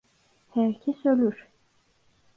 Herkes ölür.